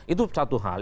itu satu hal